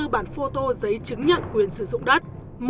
một bảy trăm tám mươi bốn bản phôto giấy chứng nhận quyền sử dụng đất